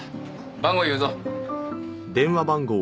番号言うぞ。